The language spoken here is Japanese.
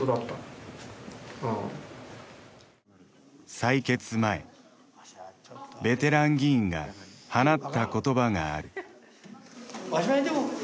採決前ベテラン議員が放った言葉がある。